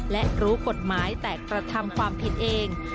และรู้กฎหมายแต่กระทำความผิดเอง